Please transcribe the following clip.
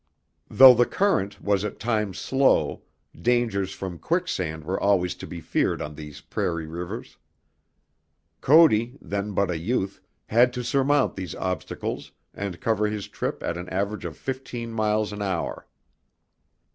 Though the current was at times slow, dangers from quicksand were always to be feared on these prairie rivers. Cody, then but a youth, had to surmount these obstacles and cover his trip at an average of fifteen miles an hour.